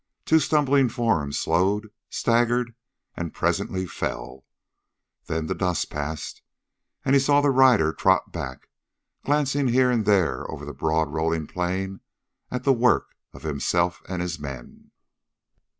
Two stumbling forms slowed, staggered and presently fell. Then the dust passed, and he saw the rider trot back, glancing here and there over the broad rolling plain at the work of himself and his men.